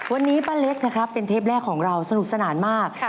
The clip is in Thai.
วันนี้ป้าเล็กนะครับเป็นเทปแรกของเราสนุกสนานมาก